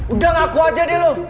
udah ngaku aja deh loh